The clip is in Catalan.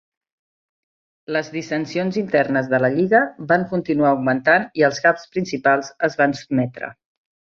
Les dissensions internes de la lliga van continuar augmentant i els caps principals es van sotmetre.